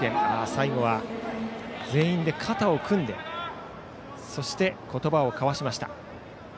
最後は、全員で肩を組んでそして言葉を交わしました。